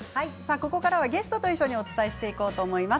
ここからはゲストと一緒にお伝えしていこうと思います。